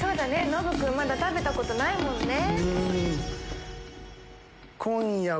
ノブ君まだ食べたことないもんね。